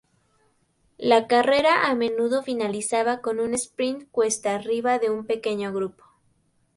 La carrera a menudo finalizaba con un "sprint" cuesta arriba de un pequeño grupo.